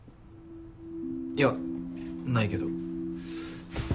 いやないけど。